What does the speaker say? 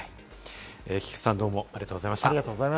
菊地さん、どうもありがとうございました。